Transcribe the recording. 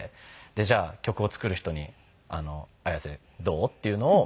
じゃあ曲を作る人にＡｙａｓｅどう？っていうのを。